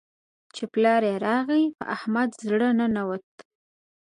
چې پلار يې راغی؛ په احمد زړه ننوت.